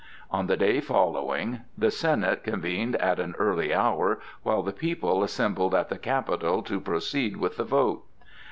On the day following, the Senate convened at an early hour, while the people assembled at the Capitol to proceed with the vote.